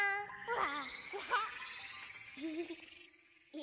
「わ！」